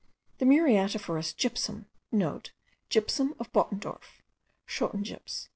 The muriatiferous gypsum,* (* Gypsum of Bottendorf, schlottengyps.)